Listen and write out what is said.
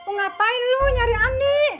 ngapain lu nyari ani